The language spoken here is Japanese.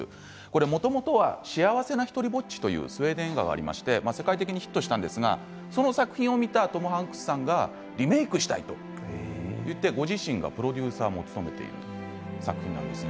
もともとは「幸せなひとりぼっち」というスウェーデン映画がありまして世界的にヒットしたんですがその作品を見たトム・ハンクスさんがリメークしたいと言ってご自身がプロデューサーも務めているという作品です。